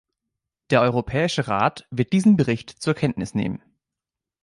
Der Europäische Rat wird diesen Bericht zur Kenntnis nehmen.